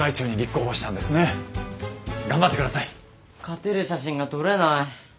勝てる写真が撮れない。